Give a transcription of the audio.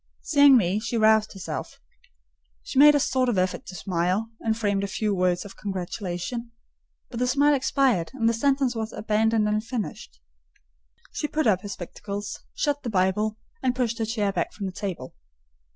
Seeing me, she roused herself: she made a sort of effort to smile, and framed a few words of congratulation; but the smile expired, and the sentence was abandoned unfinished. She put up her spectacles, shut the Bible, and pushed her chair back from the table.